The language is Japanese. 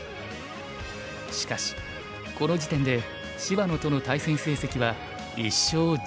しかしこの時点で芝野との対戦成績は１勝１１敗。